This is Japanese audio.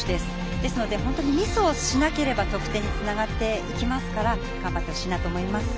ですので、本当にミスをしなければ得点につながっていきますから頑張ってほしいなと思います。